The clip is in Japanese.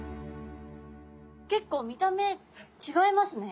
結構見た目ちがいますね。